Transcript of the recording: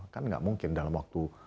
kan nggak mungkin dalam waktu